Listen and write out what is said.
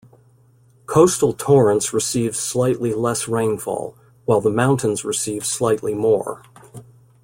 Coastal Torrance receives slightly less rainfall, while the mountains receive slightly more.